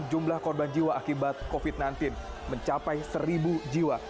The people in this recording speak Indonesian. jumlah korban jiwa akibat covid sembilan belas mencapai seribu jiwa